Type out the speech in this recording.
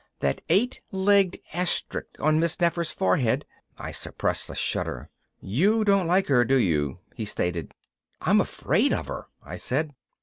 That 8 legged asterisk on Miss Nefer's forehead " I suppressed a shudder. "You don't like her, do you?" he stated. "I'm afraid of her," I said.